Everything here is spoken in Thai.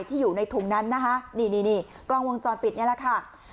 อยู่ในถุงนั้นนะคะนี่นี่กล้องวงจรปิดนี่แหละค่ะ